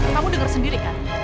kamu denger sendiri kan